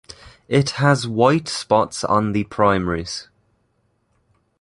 It has white spots on the primaries.